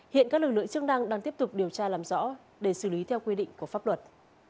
hiện các lực lượng chức năng đang tiếp tục điều tra làm rõ để xử lý theo quy định của pháp luật